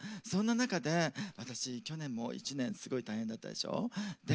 そんな中で、私、去年も１年すごい大変だったでしょ？